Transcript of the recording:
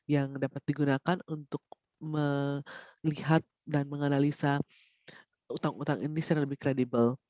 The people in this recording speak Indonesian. yang dapat digunakan untuk melihat dan menganalisa utang utang indonesia yang lebih kredibel